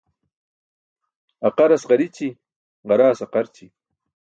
Aqaras ġarici, ġaraas aqarci.